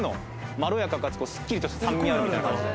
まろやかかつすっきりとした酸味あるみたいな感じで。